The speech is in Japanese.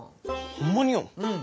ほんまによん？